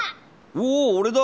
おお俺だ！